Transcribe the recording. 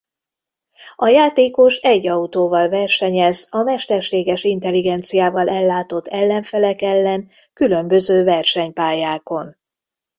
A játékos egy autóval versenyez a mesterséges intelligenciával ellátott ellenfelek ellen különböző versenypályákon.